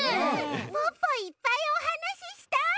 ポッポいっぱいおはなししたい！